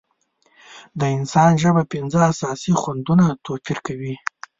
د انسان ژبه پنځه اساسي خوندونه توپیر کوي.